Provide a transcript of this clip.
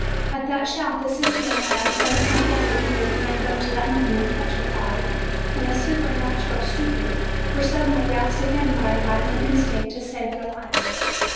At that shout, the Sicilian lad and his companion, who had remained up to that moment petrified in a supernatural stupor, were suddenly aroused again by a violent instinct to save their lives.